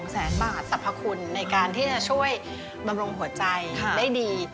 แสนบาทสรรพคุณในการที่จะช่วยบำรุงหัวใจได้ดี